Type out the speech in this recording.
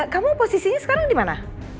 kamu posisinya sekarang di mana